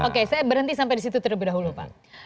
oke saya berhenti sampai disitu terlebih dahulu pak